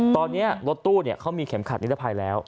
ตอนนี้รถตู้เขามีเข็มขัดนิรภัยแล้ว